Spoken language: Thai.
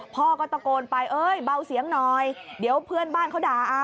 พ่อก็ตะโกนไปเอ้ยเบาเสียงหน่อยเดี๋ยวเพื่อนบ้านเขาด่า